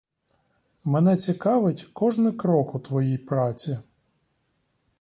Мене цікавить кожний крок у твоїй праці.